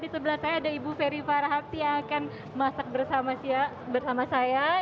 di sebelah saya ada ibu ferry farahapti yang akan masak bersama saya